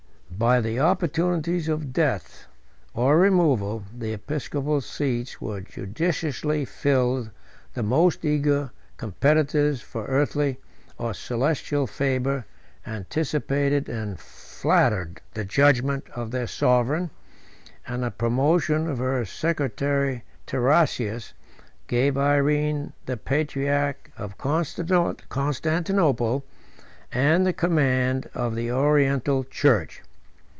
By the opportunities of death or removal, the episcopal seats were judiciously filled; the most eager competitors for earthly or celestial favor anticipated and flattered the judgment of their sovereign; and the promotion of her secretary Tarasius gave Irene the patriarch of Constantinople, and the command of the Oriental church.